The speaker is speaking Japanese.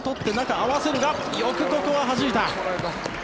合わせるがよくここははじいた。